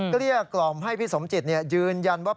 เกลี้ยกล่อมให้พี่สมจิตยืนยันว่า